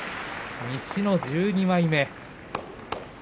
西の１２枚目。